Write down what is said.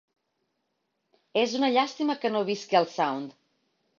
"És una llàstima que no visqui al Sound".